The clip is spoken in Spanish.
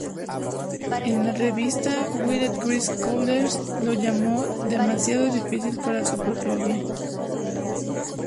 En la revista Wired Chris Kohler lo llamó 'demasiado difícil para su propio bien.